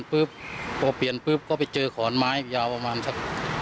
ปุ๊บพอเปลี่ยนปุ๊บก็ไปเจอขอนไม้ยาวประมาณสัก